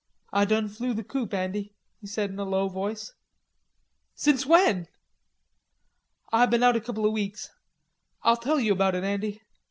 Ah done flew the coop, Andy," he said in a low voice. "Since when?" "Ah been out a couple o' weeks. Ah'll tell you about it, Andy.